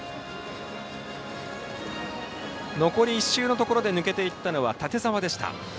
残り１周のところで抜けていったのは館澤でした。